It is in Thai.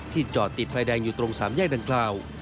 จอดติดไฟแดงอยู่ตรงสามแยกดังกล่าว